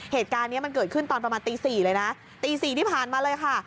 เหตุการณ์นี้มันเกิดขึ้นตอนประมาณตี๔เลยนะตี๔ที่ผ่านมาเลยค่ะ